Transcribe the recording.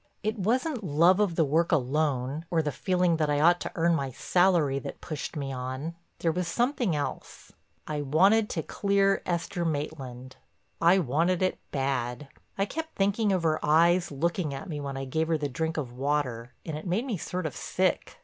It wasn't love of the work alone, or the feeling that I ought to earn my salary, that pushed me on. There was something else—I wanted to clear Esther Maitland. I wanted it bad. I kept thinking of her eyes looking at me when I gave her the drink of water and it made me sort of sick.